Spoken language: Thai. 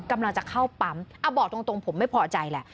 กำลังจะเข้าปั๊มบอกตรงผมไม่พอใจแหละ